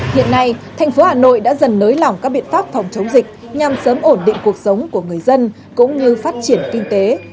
hiện nay thành phố hà nội đã dần nới lỏng các biện pháp phòng chống dịch nhằm sớm ổn định cuộc sống của người dân cũng như phát triển kinh tế